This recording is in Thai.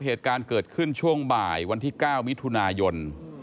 เหตุการณ์เกิดขึ้นช่วงบ่ายวันที่๙มิถุนายน